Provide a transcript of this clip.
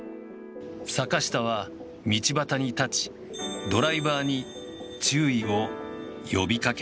坂下は道端に立ちドライバーに注意を呼びかけた。